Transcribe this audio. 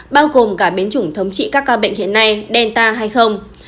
bao gồm cả biến chủng thống trị các ca bệnh hiện nay delta hay không